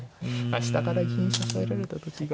下から銀支えられた時が。